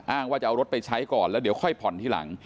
ว่าจะเอารถไปใช้ก่อนแล้วเดี๋ยวค่อยผ่อนทีหลัง